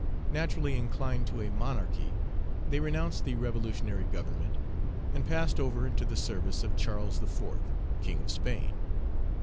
Naturally inclined to a monarchy, they renounced the revolutionary government, and passed over into the service of Charles IV., king of Spain.